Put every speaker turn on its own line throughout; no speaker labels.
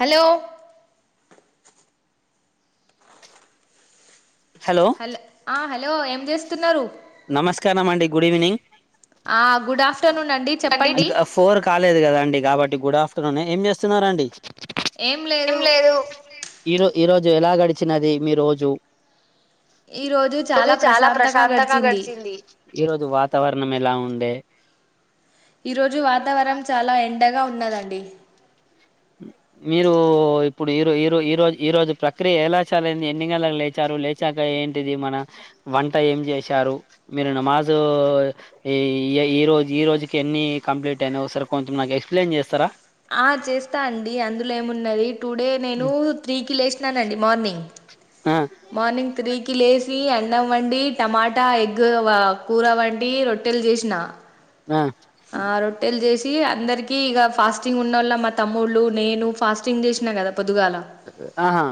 Hello
hello
హల్ ఆహాల్ లో ఏం చేస్తున్నారు
నమస్కారమండి, గుడ్ ఈవెనింగ్.
ఆ గుడ్ ఆఫ్టర్నూన్ అండి చెప్పండి
[unintelligible] ఫోర్ కాలేదు కాదండి కాబట్టి గుడఫ్ తుననే ఏం చేస్తున్నారండి.
ఏం లేదు.
ఈరో ఈ రోజు ఎలా గడిచినది. మీ రోజు
ఈ రోజు చాలా ప్రశాంతగా గడిచింది.
సింది ఈ రోజు వాతావరణం ఎలా ఉండే
ఈ రోజు వాతావరం చాలా ఎండగా ఉన్నదం డీ
మీరు ఇప్పుడు ఈరొ ఈరో ఈరో ఈరోజు ప్రక్రియ ఎలా చాలంది. ఎన్ని గంటలకు లేచారు. లేచాక ఏంటిది మన వంట ఏం చేసారు. మీరు నమాజు ఈ ఈ రోజు ఈ రోజుకి ఎన్ని కంప్లీట్ అయినా ఓసారి కొంచం నాకు ఎక్సప్లయిన్ చేస్తారా.
ఆ చేస్తాన్ ఈ అందులేమున్నది. టు డే నీను త్రికి లేసిన్నన్ నండి మార్నింగ్
ఆ
మార్నింగ్ త్రీకిి లేసియాన్ నం వండి. టమాటా ఎగ్ వా కూర వండి. రొట్టెలు జేశానా
ఆ
ఆ రోట్ టెల్ జేసి అందరికి ఇగా ఫాస్టింగ్ ఉన్నలో మా తమ్ముళ్ళు నేను ఫాస్టింగ్ చేసినా కదా పొద్దుగాల
ఆహా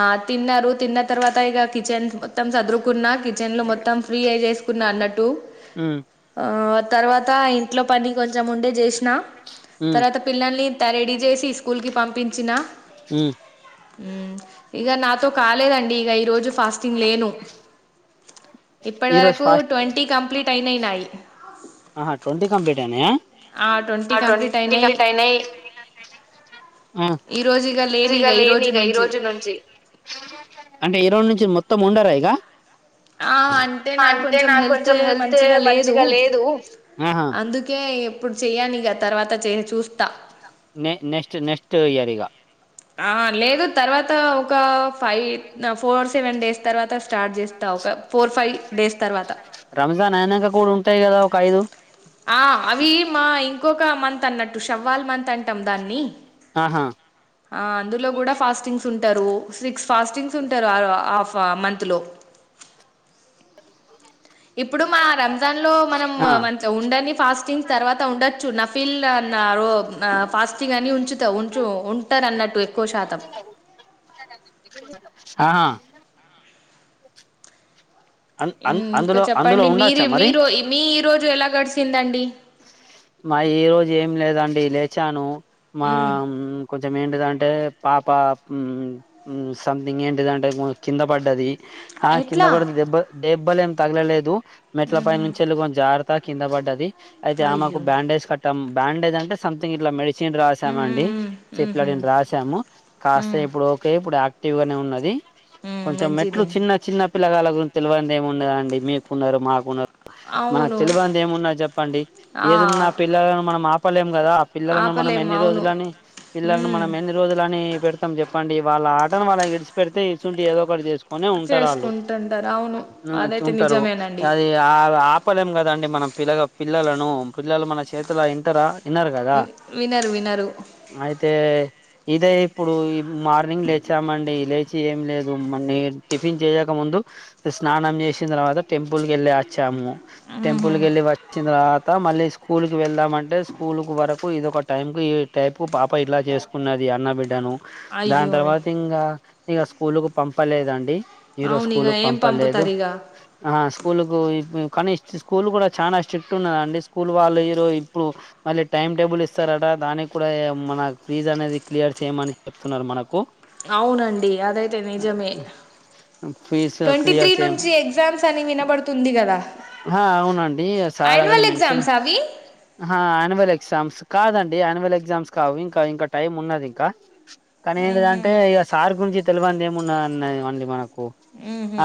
ఆ తిన్నారు, తిన్న తరువాత ఇగా కిచన్క్ బద్ మొత్తం సదురుకున్నా. కిచెన్ లో మొత్తం ఫ్రీ ఐ చేసుకున్నా అన్నట్టు
ఉమ్
ఆ తర్వాత్ త ఇంట్లో పని కొంచం ఉండే జేశ్ నా
ఉమ్
తర్వాత పిల్లల్ని త రెడీ కేసి స్కూల్ కి పంపించిన్నా
హు
హు ఇగా నాతో కాలేదండి. ఇగా ఈరోజు ఫాస్టింగ్ లేను.
ఈరోజు
ఇప్పటివరకు
ఫాస్ట్
ట్వంటీ కంప్లీట్ టైనాయినై
ఆహా ట్వంటి కంప్లీట్ అయినాయ.
ట్వంటీ కంప్లీట్ అయినాయి
ఆ
ఈ రోజు ఇక లేని ఇక
రిగా లేనిగా ఈ రోజు నుంచి ఈరోడ్ నుంచి మొత్తం ఉండరా. ఇగా
ఆ అంటే నాకు కొంచెం హెల్త్ మంచిగా లేదు
ఆహా
అందుకే ఎప్పుడు చెయ్యని తర్వాత చేని చూస్తా
నె నెక్స్ట్ నెక్స్ట్ ఇయర్ ఇగ
ఆ లేదు తర్వాత ఒక ఫైట్ ఒక ఫోర్ ఫైవ్ డేస్ తర్వాత
రంజాన్ అయినాక కూడా ఉంటాయి కదా ఒక ఐదు
ఆ అవి మా ఇంకో ఒక మంత్ అన్నట్టు షవ్వాల్ మంత్ అంటాం దాన్ని
ఆహా
అందులో కూడా ఫాస్టింగ్స్ ఉంటారు సిక్స్ ఫాస్టింగ్స్ ఉంటారు హాఫ్ మంత్లో ఇప్పుడు మా రంజాన్ లో మనం
ఆ
ఉండని ఫాస్టింగ్స్ తర్వాత ఉండొచ్చు నఫీల్ నా రో న ఫాస్టింగ్ అని ఉంచుతా ఉంచు ఉంటారు అన్నట్టు ఎక్కువ శాతం
ఆహా అ
ఇంకా
అందులో అందులో
చెప్పండి మీరు
ఉండొచ్చా మరి
మీరు మీ ఈ రోజు ఎలా గడిచిందండి.
మ ఈ రోజు ఏమి లేదండి లేచాను మా హ్మ్ కొంచం ఏంటిదంటే పాప హ్మ్ సంథింగ్ ఏంటిదంటే కింద పడ్డది. హా కింద
ఎట్లా
పడితే దెబ్బ దేబ్బల్ ఏం తగలలేదు మెట్ల పైన
ఉహు
నుంచి వెళ్ళి పొ జారతా కింద పడ్డది అయితే ఆమెకు
అయ్యో
బ్యాండేజ్ కట్టాం బ్యాండేజ్ అంటే సంథింగ్ ఇట్లా మెడ్ సిన్ రాసామండి
ఉహు ఉహు
సిప్లాడిన్ రాసాము
ఉమ్
కాసేపు లోపే ఇప్పుడు యాక్ టివ్ గానే ఉన్నది
ఉమ్
కొంచెం మెట్లు
మంచిదే
చిన్న చిన్న పిల్లగాళ్ళ గురించి తెల్వనిది ఏముండదండి మీకున్నారు మాకున్నారు మనకు
అవును
తెల్వంది ఏమున్నా చెప్
ఆ
ఏదున్న పిల్లలం మనం ఆపలేము కదా పిల్లలను మనం
ఆపలేము
ఎన్ని
అవును
రోజులని పిల్లలను
ఉమ్
మనం ఎన్ని రోజులని పెడతాం చెప్పండి వాళ్ళ ఆట అట్టని వాళ్ళని ఇడిసి పెడితే ఇసువంటియి ఏదో ఒకటి చేసు కొనే ఉంటరు ఆళ్ళు
చేసుకుంటుంటారు అవును
వచ్చి
అదైతే
ఉంటరు
నిజమేనండి
అది ఆ ఆపలేం కదండి మనం పిల్లగ పిల్లలను పిల్లలు మన చేతుల ఇంటరా ఇనరు గదా
వినరు వినరు
అయితే ఇదే ఇప్పుడు మార్నింగ్ లేచామండి. లే చి ఏం లేదు మ నే టిఫిన్ చేయక ముందు స్నానం చేసిన తర్వాత టెంపుల్కి ఎళ్ళి అచ్చాము.
ఉహు
టెంపల్ కెల్లి వ తాత మళ్ళీ స్కూల్కి వెళ్దామంటే. స్కూల్కు వరకు ఇదోక టైంకు, ఈ టైపు పాప ఇట్లా చేసుకున్నది అన్నబిడ్డను దాని
అయ్యో
తర్వాత ఇంగా ఇగ స్కూలుకు పంపలేదండి ఈరోజ
అవును ఇగ
స్కూల్కు
ఏం
పంపలేదు
పంపుతారు ఇగ
ఆహా స్కూల్కు [unintelligible] కానీ ఇష్ట్ స్కూల్ కూడా చానా ఇష్ చిట్టున్నదండి స్కూల్ వాళ్ళు ఇరో ఇప్పుడు. మళ్ళీ టైం టేబుల్ ఇస్తారట దానికూడా ఈ మన ఫీజ్ అనేది క్లియర్ చేయమని చెప్తున్నారు మనకు
అవునండి అదైతే నిజమే
ఫీజు
ట్వంటీ త్రీ
క్లియర్ చేయం
నుంచి ఎగ్జామ్స్ అని వినబడుతుంది కదా
ఆ అవునండి సార్ ఆలె
యాన్యువల్
మెన్షన్
ఎగ్జామ్స్ అవి
ఆహ్ అనవల్ ఎక్ ఎగ్జామ్స్ కాదండి యాన్యువల్ ఎగ్జామ్స్ కావు ఇంకా ఇంకా టైమ్ ఉన్నది ఇంకా కానీ
ఉహు
ఏందిదాంటే ఇగ సార్ గురించి తెలివన్ దెమ్మున నే అండి మనక్ ఓ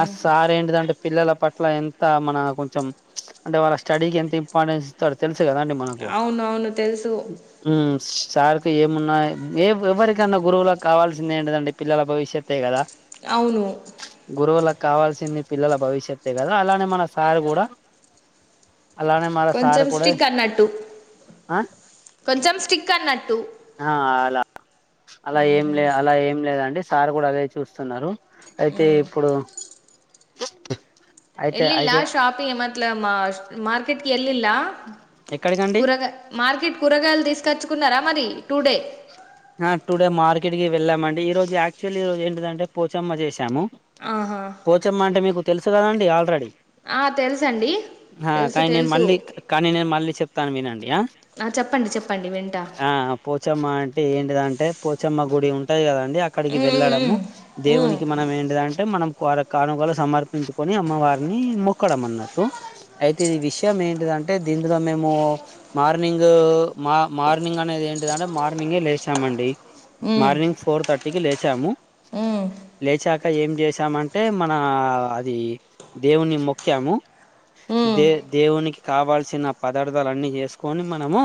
ఆ సార్ ఏంటిదంటే పిల్లల పట్ ట్లా ఎంత మన కొంచెం ప్చ్ అంటే వాళ్ళక్ స్టడీ కి ఎంత ఇంపార్టెన్స్తాడో తెల్స్ స్ గాదండి మనకు
అవునవును తెలుసు
ఊ మ్ సార్కి ఏమున్నా ఏవ్ ఎవరికన్నా గురువులకు కావాల్సింది ఏంటదండి పిల్లల భవిష్యత్తే కదా
అవును
గురువులకు కావాల్సింది పిల్లల భవిష్యతే గదా అలానే మన సారు గూడా అలానే మన సార్
కొంచెం
కూడా
స్టిక్ అన్నట్టు
ఆ
కొంచెం స్టిక్ అన్నట్టు
ఆ అలా అలా ఏం
ఊహు
లే అలా ఏం లేదండి సార్ గూడా అదే చూస్తున్నారు అయితే
ఉమ్
ఇప్పుడు బ
ఎల్లిలా షాపింగ్ ఏమట్లే మా షా మార్కెట్కి ఎల్లిల్లా
ఎక్కడికండి
కూరగాయ్ మార్కెట్ కూరగాయల్ దిస్ కచుకున్నారా మరి టూ డే
ఆ టు డే మార్కెట్ కే వెళ్ళామండి. ఈ రోజు యాక్చువల్లీ ఈ రోజు ఏంటిదంటే పోచమ్మ జేసాము
ఆహా
పోచమ్మ అంటే మీ కు తెలుసు గదండి ఆల్రెడీ
ఆ తెలుసండి
హ
తెలుసు
కానీ నేను
తెలుసు
మళ్ళీ క కానీ నేను మళ్ళీ చెప్తాను వినండి ఆ
చెప్పండి చెప్పండి వింటా
ఆ పోచమ్మంట్ ఏంటిదంటే పోచమ్మ గుడి ఉంటాయి కదా అక్కడికి వెళ్ళడము
ఉమ్ ఉమ్
దేవునికి మనం ఏంటిదంటే మనం వార కానుకలు సమర్పించుకొని అమ్మవారిని మొక్కడం అన్నట్టు, అయితే ఈ విషయం ఏంటిదంటే దీనిలో మేము మార్నింగ్ మార్నింగ్ అనేది ఏంటిదంటే మ ర్నింగే లేసామండి
ఉమ్
మార్నింగ్ ఫోర్ థర్ టికి లేచాము
ఉమ్
లేచాక ఏం చేసామంటే మన అది దేవుని మొక్కాము
ఉమ్
దే
ఉమ్
దేవునికి కావాల్సిన పదార్థాలు అన్ని చేసుకొని మనము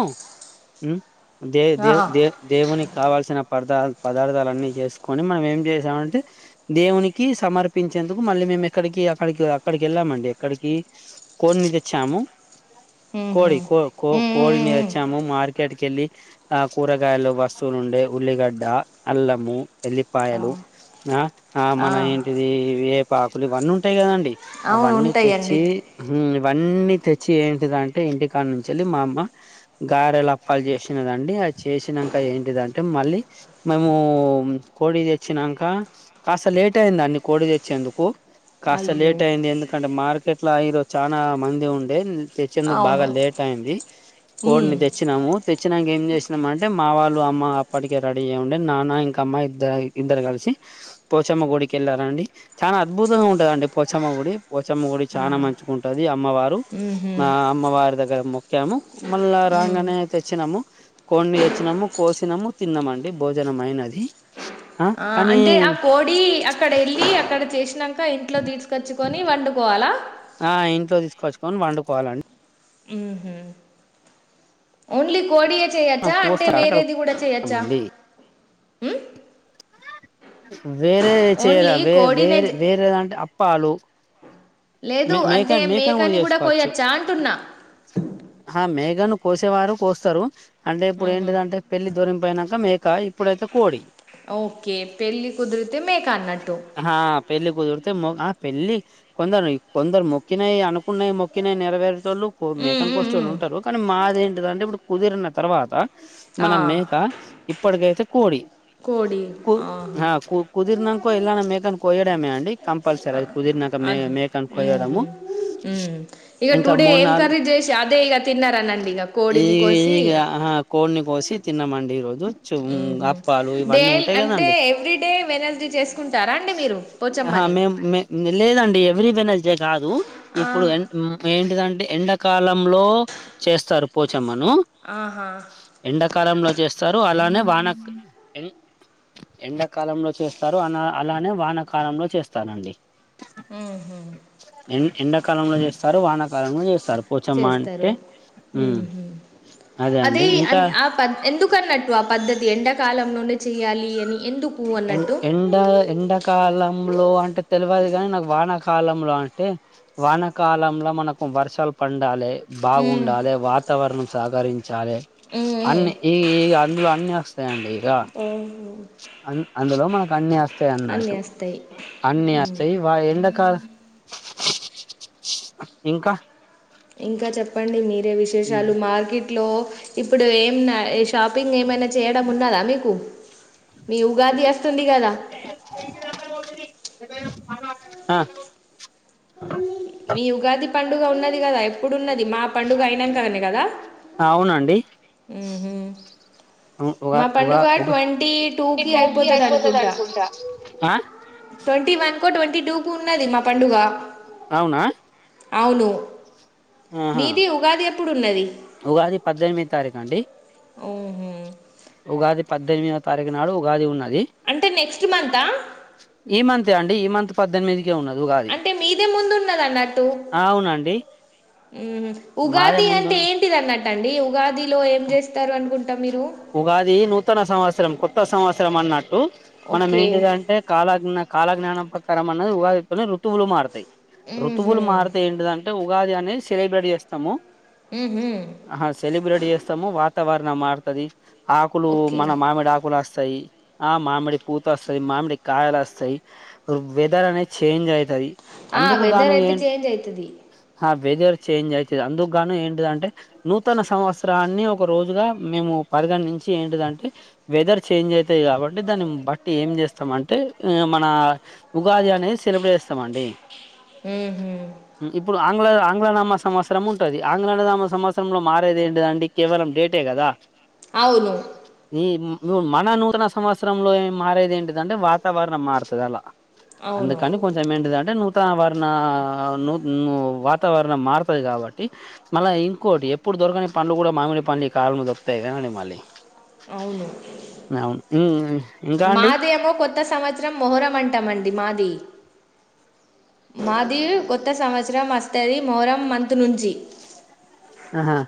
దే
ఆ
దేవ్ దేవునికి కావాల్సిన పద పదార్థాలు అన్ని చేసుకొని మనం ఏం చేసామంటే దేవునికి సమర్పించేందుకు మళ్ళీ మేము ఎక్కడికి అక్కడికి అక్కడికి వెళ్ళామండి ఎక్కడికి కోడిని తెచ్చాము
ఊహు
కోడి కో కో కోడిని తెచ్చాము మార్కెట్కి వెళ్ళి ఆ కూరగాయలు వస్తువులు ఉండే ఉల్లిగడ్డ, అల్లము, ఎల్లిపాయలు ఆ ఆ మన ఏంటిది వేపాకులు ఇవన్నీ ఉంటాయి కదండి
అవును
అవన్నీ
ఉంటాయండి
తెచ్చి మ్మ్ ఇవన్నీ తెచ్చి ఏంటిదంటే ఇంటికాడ నుంచి వెళ్ళి మా అమ్మ గారెలు, అప్పాలు చేసినదండి అ చేసినాక ఏంటిదింటే మళ్ళీ మేము కోడి తెచ్చినాక కాస్త లేట్ అయింది. అన్ని కోడి తెచ్చేందుకు కాస్త
అయ్యో
లేట్ అయింది ఎందుకంటే మార్కెట్ లో ఈరోజ్ చానా మంది ఉండే తెచ్చేందుకు బాగా
అవును
లేట్ అయింది కోడ్ని
ఉమ్
తెచ్చినాము తెచ్చినంక ఏం చేస్ ిన అంటే మా వాళ్ళు అమ్మ అప్పటికే రెడీ అయి ఉండే నాన్న ఇంక అమ్మ ఇద్ద ఇద్దరు కలిసి పోచమ్మ గుడికి వెళ్ళారండి. చాలా అద్భుతంగా ఉంటదండి పోచమ్మ గుడి పోచమ్మ గుడి
ఆ
చానా మంచిగుంటది అమ్మవారు
ఉహు
మా అమ్మవారి దగ్గర మొక్కాము మళ్ళా
ఉమ్
రాంగానే తెచ్చినాము కోడ్ని తెచ్చినాము కోసినాము తిన్నామండి భోజనం అయినది
ఆ అంటే ఆ కోడి అక్కడ వెళ్ళి అక్కడ చేసిన కా ఇంట్లో తీసుకొచ్చుకొని వండుకోవాలా
ఆ ఇంట్లో తీసుకొచ్చుకొని వండుకోవాలండి
ఉహు ఓన్లీ కోడి చేయొచ్చా అంటే
కోస్త అక్కడ
వేరేది కూడా చేయచ్చా
స్తామండి మ్మ్ వేరే చేరా
ఓన్లీ
వే
కోడినే
వేరే
చే-
వేరేదంటే పాలు
లేదు అంటే మేకని కూడా
చేసుకోవచ్చు
కోయచ్చా అంటున్నా
ఆ మేకను కోసేవారు కోస్తారు అంటే ఇప్పుడు
ఉహు
ఏంటిదంటే పెళ్లి [unintelligible] అయినాక మేక ఇప్పుడైతే కోడి
ఓకే పెళ్ళి కుదిరితే మేక అన్నట్టు
ఆ పెళ్లి కుదిరితే మ ఆ పెళ్లి కొందరు కొందరు మొక్కినయి అనుకున్నయి మొక్కినాయి నెరవేరు
ఉమ్
మేకను
ఉమ్
కోస్తారు [inaudible]
ఉమ్
ఉంటారు కానీ మా ఏంటిదంటే ఇప్పుడు కుదిరిన తర్వాత మన
ఆ
మేక ఇప్పటికైతే కోడి
కోడి
కు
ఆహా
కు కుదిర్నాంకో ఎల్లానా మేక కోయడమే అండి కంపల్సరీ అది కుదిర్నాక మేక
అది
మే
ఉహు
కోయడము
ఉమ్ ఇక
ఇంకా
టుడే
మూడు,
ఏం
నాలుగు
కర్రీ చేసి అదే ఇక తిన్నారనండి ఇక
ఈ
కోడిని కోసి
ఇగ కోడిని కోసి. తిన్నమండి ఈ రోజు చుం ఆప్
డేల్ అంటే ఎవ్రీడే వెడ్నెస్డే చేసుకుంటారా అండి మీరు
ఆహా
పోచమ్మని.
మేం మే లేదండి ఎవ్రీ వెడ్నెస్డే కాదు
ఆ
ఇప్పుడు ఎన్ మేన్ లేదంటే ఎండకాలంలో చేస్తారు పోచమ్మ ను
ఆహా
ఎండాకాలంలో చేస్తారు అన్ అలానే వాన క్ ఎండాకాలంలో చేస్తారు, అ అలానే వానకాలంలో చేస్తారండి.
హు హ్మ్
ఎం ఎండాకాలంలో చేస్తారు, వానకాలంలో చేస్తారు. పోచమ్మ
చేస్తారు
అంటే
హు
ఉమ్
హ్మ్ అదే
అండి ఇంకా
ఆద్ ఎందుకున్నట్టు ఆ పద్ధతి ఎండాకాలం. లోనే చేయాలి అని ఎందుకు
ఎ
అన్నట్టు
ఎండ ఎండకాలం లో అంటే తెలియదు కాని నాకు వానాకాలంలో అంటే వానాకాలంలో మనకు వర్షాలు పండాలి
ఉమ్
బాగుండాలి వాత వాతావరణం సహకరించాలి
ఉమ్
అన్ని ఈ అందులో అన్ని వస్తాయండి ఇక
ఓహో
అందులో మనకు అన్ని వస్తా
అన్నీ
అన్నట్టు
వస్తాయి
అన్ని వస్తాయి వా ఎండకాల ఇంకా
ఇంకా చెప్పండి మీరు అంటే విశేషాలు మార్కెట్ లో ఇప్పుడు ఏం షాపింగ్ ఏమైనా చేయడం ఉన్నదా మీకు మీ ఉగాది వస్తుంది కదా
ఆ
మీ ఉగాది పండుగ ఉన్నది కదా ఎప్పుడున్నది మా పండుగ అయినంకదనె కదా
అవునండి
ఉహు
ఉ ఉగా
మా
ఉగా
పండుగ
ఉగా
ట్వంటీ టూ కి అయిపోతది అనుకుంట
ఆ
ట్వంటీ వన్ క్క ట్వంటీ టూ కు ఉన్నది మా పండుగ
అవునా
అవును
ఆహా
మీది ఉగాది ఎప్పుడు ఉన్నది
ఉగాది పద్దెనిమిది తారీఖ అండి
ఓహు
ఉగాది పద్దెనిమిదో తారీఖు నాడు ఉగాది ఉన్నది
అంటే నెక్స్ట్ మంతా
తే అండి ఈ మంత్ పద్దెనిమిది
అంటే మీదె ముందుఉన్నదన్నట్టు
ఆ అవునండి
ఉ
మాదే
ఉగాది అంటే
ముందున్న
ఏంటిది అన్నట్టు అండి ఉగాదిలో ఏం చేసు స్తారు అనుకుంటా మీరు
ఉగాది నూతన సంవత్సరం కొత్త సంవత్సరం అన్నట్టు మనం
ఓకే
ఏంటిది అంటే కాలజ్ఞ కాలజ్ఞానం ప్రకారం అన్నది ఉగాది ఒత్తనే ఋతువులు మారుతాయి
ఊహూ
ఋతువులు మారితే ఏంటిది అంటే ఉం ఉగాది అనేది సెలబ్రేట్ చేస్తాము
ఊహూ
ఆ సెలబ్రేట్ చేస్తాము వాక్ వాతావరణం మార్తది ఆకులు
ఓకే
మన మామిడి ఆకులు అస్ సై ఆ మామిడి పూత వస్తాయి మామిడి కాయలు వస్తాయి వెదర్ అనేది చేంజ్ అయి
ఆ వెదర్ అయితే చేంజ్ అయితది
ఆ వెదర్ చేంజ్ అయితది అందుకుగాను ఏంటిది అంటే నూతన సంవత్సరాన్ని ఒక రోజుగా మేము పదిగన్ నుంచి ఏంటిది అంటే వెదర్ చేంజ్ అయితది కాబట్టి దాన్ని బట్టి ఏం చేస్తాము అంటే మన ఉగు ఉగాది అనేది సెలబ్రేట్ చేస్తాము అండి
ఊహూ
ఇప్పుడు ఆంగ్ల ఆంగ్లనామ సంవత్సరం ఉంటది ఆంగ్లఅన్నదామా సంవత్సరంలో మారేది ఏంటిది అండి కేవలం డేటే గదా
అవును
ఈ ఇమ్ము ను మన నూతన సంవత్సరంలో ఏం మారేది ఏంటిది అంటే వాతావరణం మారుతది అలా
అవును
అందుకని కొంచం ఏంటిదంటే నూ నూత వర్ణ ను ను వాతావరణం మారుతది కాబట్టి మళ్ళా ఇంకోటి ఎప్పుడు దొరకని పండ్లు గూడ మామిడి పండ్లు ఈ కాలంలో దొరుకుతాయి ఏమండిమ్ మళ్ళీ నవుఉం
మాది ఏమో కొత్త సంవత్సరం మొహరం మొహరం అంటామండి మాది మాది కొత్త సంవత్సరం వస్తది మొహరం మంత్ నుంచి
ఆహా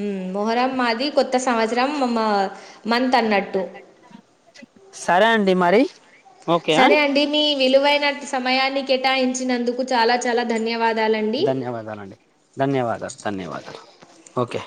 ఉం మొహరం మాది కొత్త సంవత్సరం మమ
సరే అండి మరి ఓకే ఆ
సరే అండి మీ విలువైన సమయాన్ని కేటాయించినందుకు చాలా చాలా ధన్యవాద్
ధన్యవాదాలు అండి ధన్యవాదాలు ధన్యవాదాలు ఓకే